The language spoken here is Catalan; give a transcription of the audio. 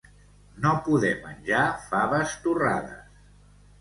No poder menjar faves torrades.